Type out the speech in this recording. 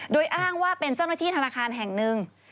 โดยอ้างว่าเป็นเจ้าหน้าที่ธนาคารแห่งหนึ่ง